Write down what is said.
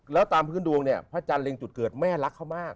แล้วตามพื้นดวงเนี่ยพระจันทร์เร็งจุดเกิดแม่รักเขามาก